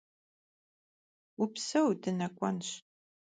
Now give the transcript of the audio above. Vupseu, dınek'uenş.